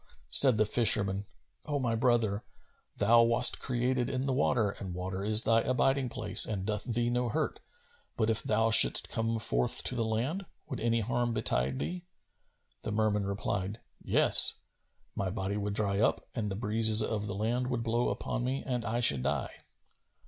'" Said the fisherman, "O my brother, thou wast created in the water and water is thy abiding place and doth thee no hurt, but, if thou shouldst come forth to the land, would any harm betide thee?" The Merman replied, "Yes; my body would dry up and the breezes of the land would blow upon me and I should die."